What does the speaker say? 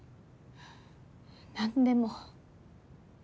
何でも。